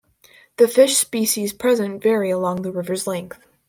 The fish species present vary along the river's length.